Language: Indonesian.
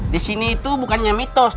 di sini itu bukannya mitos